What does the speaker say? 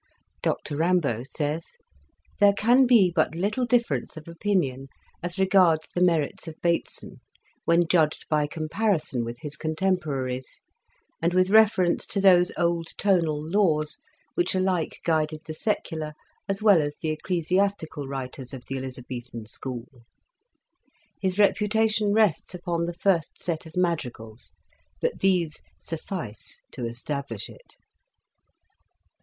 Dr Rimbault says :'' There can be but little difference of opinion as regards the merits of Bateson, when judged by comparison with his contemporaries, and with reference to those old tonal laws which alike guided the secular as well as the ec Introduction. clesiastical writers of the Elizabethan school ; his reputation rests upon the ' First Set of Madrigals,'" but these suffice to establish it.